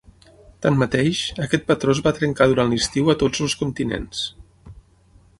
Tanmateix, aquest patró es va trencar durant l’estiu a tots els continents.